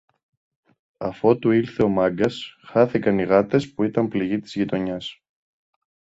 Αφότου ήλθε ο Μάγκας, χάθηκαν οι γάτες που ήταν πληγή της γειτονιάς